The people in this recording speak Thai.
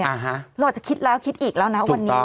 เราอาจจะคิดแล้วคิดอีกแล้วนะถูกต้อง